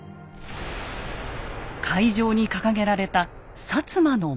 会場に掲げられた摩の紋。